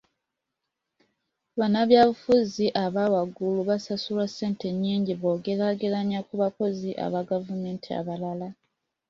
Bannabyabufuzi aba waggulu basasulwa ssente nnyingi bw'ogeraageranya ku bakozi ba gavumenti abalala.